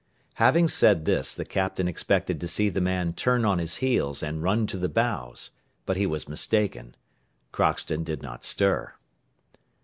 Having said this, the Captain expected to see the man turn on his heels and run to the bows, but he was mistaken. Crockston did not stir.